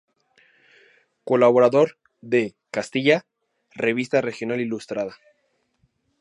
Colaborador de "Castilla, revista Regional Ilustrada".